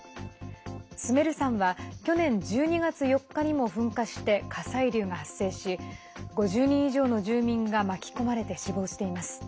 スメル山は去年１２月４日にも噴火して火砕流が発生し５０人以上の住民が巻き込まれて死亡しています。